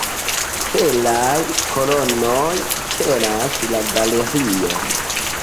Feraj kolonoj tenas la galerion.